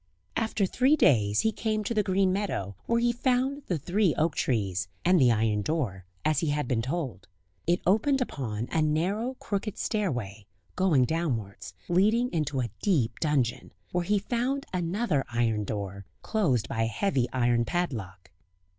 After three days he came to the green meadow, where he found the three oak trees, and the iron door, as he had been told. It opened upon a narrow, crooked stairway, going downwards, leading into a deep dungeon, where he found another iron door, closed by a heavy iron padlock.